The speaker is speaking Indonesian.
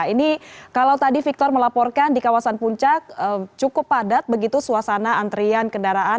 ini kalau tadi victor melaporkan di kawasan puncak cukup padat begitu suasana antrian kendaraan